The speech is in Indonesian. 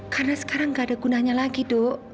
karena sekarang gak ada gunanya lagi do